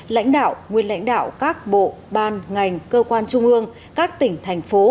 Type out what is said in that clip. lãnh đạo nguyên lãnh đạo các bộ ban ngành cơ quan trung ương các tỉnh thành phố